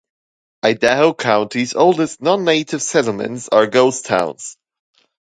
Idaho County's oldest non-native settlements are ghost towns.